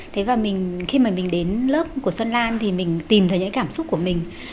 thế và khi mà mình đến lớp của xuân lan thì mình tìm thấy những cảm xúc của mình